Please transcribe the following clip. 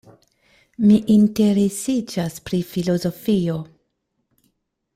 Mi interesiĝas pri filozofio.